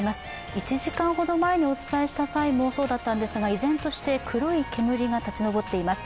１時間ほど前にお伝えした際もそうだったんですが、依然として黒い煙が立ち上っています。